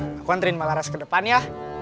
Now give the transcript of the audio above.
kalau gak datang aku antriin mbak laras ke depan ya